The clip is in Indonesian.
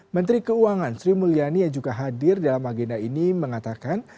menteri keuangan sri mulyani yang juga hadir dalam agenda ini mengatakan